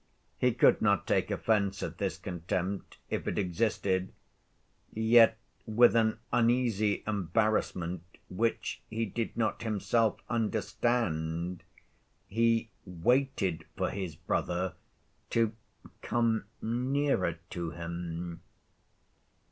He could not take offense at this contempt, if it existed; yet, with an uneasy embarrassment which he did not himself understand, he waited for his brother to come nearer to him.